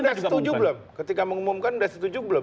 nah ketika mengumumkan sudah setuju belum